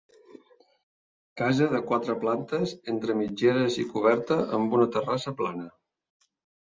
Casa de quatre plantes entre mitgeres i coberta amb una terrassa plana.